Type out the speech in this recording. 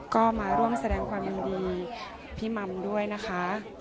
ก็มาร่วมแสดงความยินดีพี่มัมด้วยนะคะ